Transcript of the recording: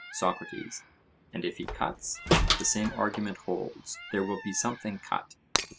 SOCRATES: And if he cuts, the same argument holds—there will be something cut?